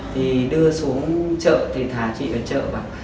thì đưa xuống chợ thì thả chị ở chợ